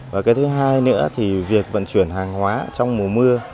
và cái thứ hai nữa thì việc vận chuyển hàng hóa trong mùa mưa